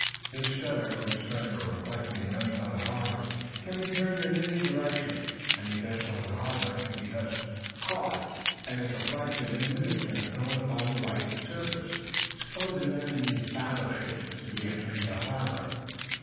This shutter, which turns a reflecting lens on the harbor, can be turned in any direction. Any vessel in the harbor can thus be "caught," and its reflection, in miniature, thrown upon the white map surface. Suppose an enemy's battleship to be entering the harbor.